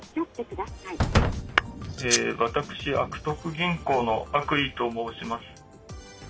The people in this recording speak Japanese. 私悪徳銀行の悪意と申します。